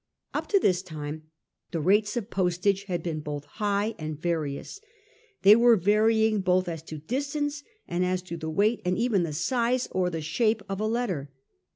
Up to this time the rates of postage had been both high and various. They were varying both as to distance, and as to the weight and even the size or the shape of a letter.